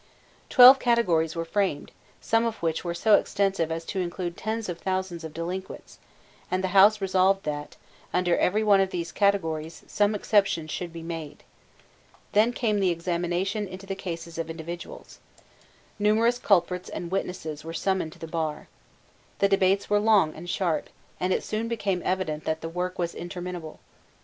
Twelve categories were framed, some of which were so extensive as to include tens of thousands of delinquents; and the House resolved that, under every one of these categories, some exceptions should be made. Then came the examination into the cases of individuals. Numerous culprits and witnesses were summoned to the bar. The debates were long and sharp; and it soon became evident that the work was interminable.